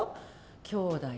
きょうだい